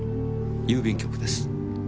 郵便局です。